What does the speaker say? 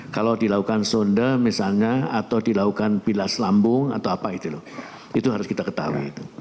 kalau dilakukan sonde misalnya atau dilakukan bilas lambung atau apa itu loh itu harus kita ketahui